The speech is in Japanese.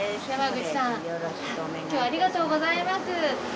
今日はありがとうございます。